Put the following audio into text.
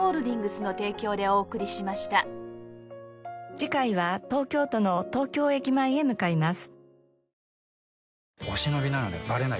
次回は東京都の東京駅前へ向かいます。